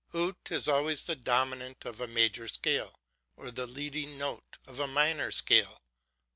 Ut is always the dominant of a major scale, or the leading note of a minor scale.